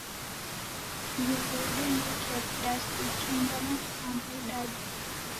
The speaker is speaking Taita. W'aw'a udenilukia vidasi ikenda na kamba idadu.